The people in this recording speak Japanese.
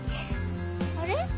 あれ？